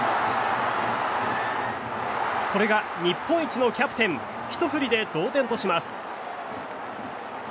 これが日本一のキャプテンひと振りで同点とします。